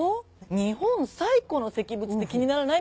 「日本最古の石仏」って気にならない？